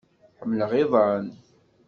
Ḥemmleɣ iḍan.